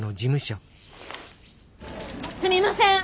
すみません！